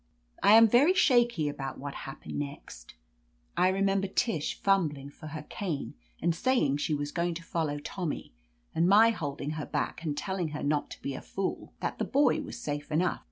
I am very shaky about what happened next. I remember Tish fumbling for her cane, and sa3ring she was going to follow Tommy, and my holding her back and telling her not to be a fool — ^that the boy was safe enough.